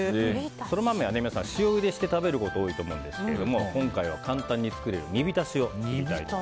ソラマメは塩ゆでして食べることが多いと思うんですけど今回は簡単に作れる煮びたしを作りたいと思います。